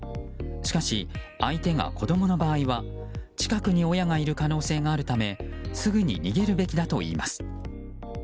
しかし相手が子供の場合は近くに親がいる可能性があるためすぐに逃げるべきだといいます。